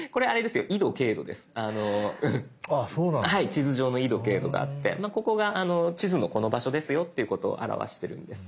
地図上の緯度・経度があってここが地図のこの場所ですよっていうことを表してるんです。